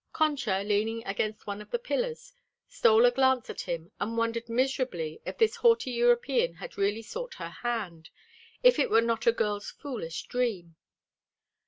Concha, leaning against one of the pillars, stole a glance at him and wondered miserably if this haughty European had really sought her hand, if it were not a girl's foolish dream.